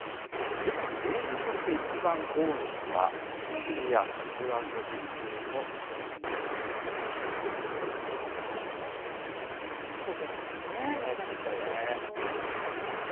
事故の原因としていちばん多いのは、釣りや水遊び中の転落というこれからの季節ですもんね、気をつけないと。